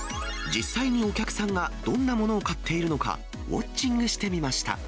実際にお客さんがどんなものを買っているのか、ウォッチングしてみました。